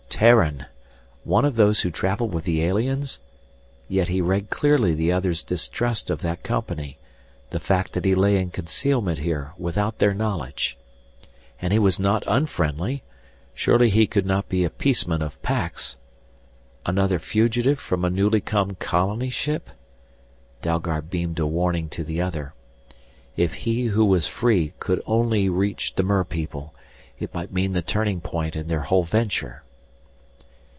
Terran! One of those who traveled with the aliens? Yet he read clearly the other's distrust of that company, the fact that he lay in concealment here without their knowledge. And he was not unfriendly surely he could not be a Peaceman of Pax! Another fugitive from a newly come colony ship ? Dalgard beamed a warning to the other. If he who was free could only reach the merpeople! It might mean the turning point in their whole venture!